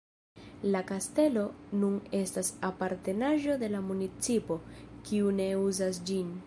La kastelo nun estas apartenaĵo de la municipo, kiu ne uzas ĝin.